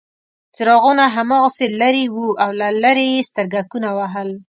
څراغونه هماغسې لرې وو او له لرې یې سترګکونه وهل.